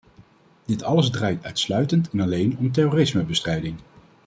Dit alles draait uitsluitend en alleen om terrorismebestrijding.